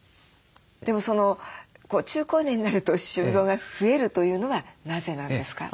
でも中高年になると歯周病が増えるというのはなぜなんですか？